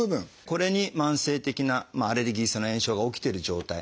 これに慢性的なアレルギー性の炎症が起きてる状態。